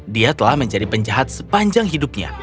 dia telah menjadi penjahat sepanjang hidupnya